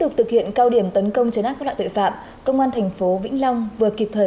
trước khi thực hiện cao điểm tấn công chấn áp các loại tội phạm công an tp vĩnh long vừa kịp thời